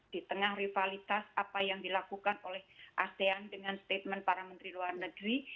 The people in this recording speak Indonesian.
di tengah rivalitas apa yang dilakukan oleh asean dengan statement para menteri luar negeri